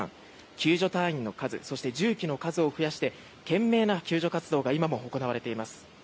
救助隊員の数そして重機の数を増やして懸命な救助活動が今も行われています。